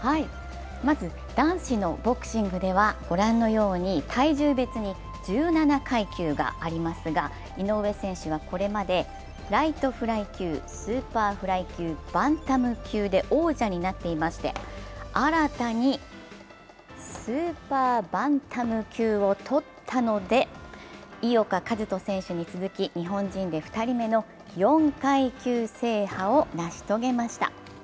まず、男子のボクシングではご覧のように体重別に１７階級がありますが、井上選手はこれまでライトフライ級、スーパーフライ級バンタム級で王者になっていまして新たにスーパーバンタム級をとったので井岡一翔選手に続き日本人で２人目の４階級制覇を成し遂げました。